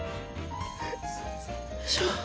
よいしょ。